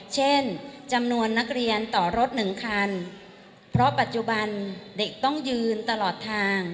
เช่นจำนวนนักเรียนต่อรถ๑คันเพราะปัจจุบันเด็กต้องยืนตลอดทาง